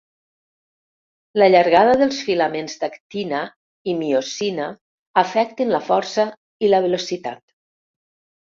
La llargada dels filaments d’actina i miosina afecten la força i la velocitat.